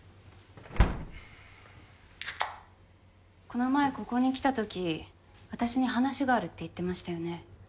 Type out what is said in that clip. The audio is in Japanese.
この前ここに来たとき私に話があるって言ってましたよね。